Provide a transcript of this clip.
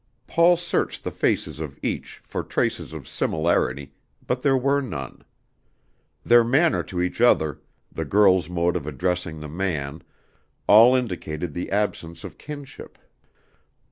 Paul searched the faces of each for traces of similiarity, but there were none. Their manner to each other, the girl's mode of addressing the man, all indicated the absence of kinship.